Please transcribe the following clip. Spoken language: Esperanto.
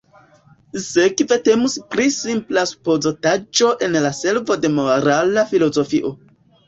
Sekve temus pri simpla supozotaĵo en la servo de morala filozofio.